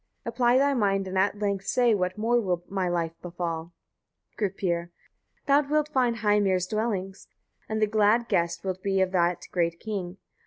Apply thy mind, and at length say what more will my life befall. Gripir. 19. Thou wilt find Heimir's dwellings, and the glad guest wilt be of that great king.